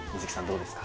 どうですか？